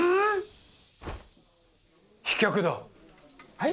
はい？